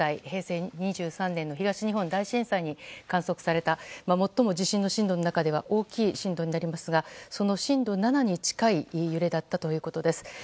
平成２３年の東日本大震災に観測された最も地震の震度の中では大きい震度になりますがその震度７に近い揺れだったということです。